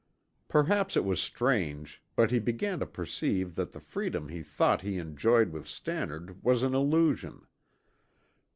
Perhaps it was strange, but he began to perceive that the freedom he thought he enjoyed with Stannard was an illusion.